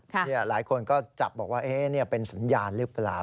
แล้วหลายคนก็จับว่าเอยนี่เป็นสัญญาณหรือเปล่า